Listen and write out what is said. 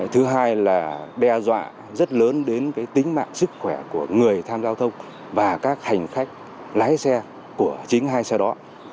thứ hai là đe dọa rất lớn đến tính mạng sức khỏe của người tham gia giao thông và các hành khách lái xe của chính hai xe đó